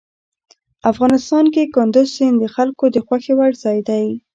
افغانستان کې کندز سیند د خلکو د خوښې وړ ځای دی.